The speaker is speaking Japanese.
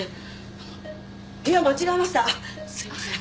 すいません